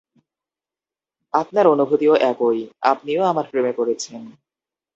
আপনার অনুভূতিও একই, আপনিও আমার প্রেমে পড়েছেন।